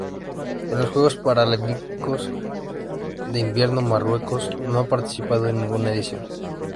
En los Juegos Paralímpicos de Invierno Marruecos no ha participado en ninguna edición.